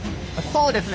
そうですね。